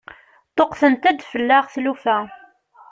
Ṭṭuqqtent-d fell-aɣ tlufa.